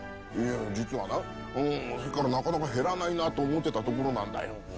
いや実はねさっきからなかなか減らないなと思ってたところなんだよ。